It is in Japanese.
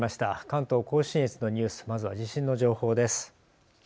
関東甲信越のニュース、まずは地震の情報です。